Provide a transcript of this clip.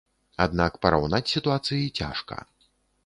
Аднак параўнаць сітуацыі цяжка.